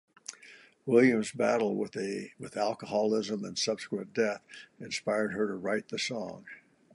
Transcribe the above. Williams' battle with alcoholism and subsequent death inspired her to write the song.